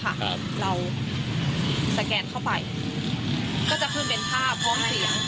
ถ้าเราสแคทเข้าไปก็จะขึ้นเป็นภาพห้องเสียง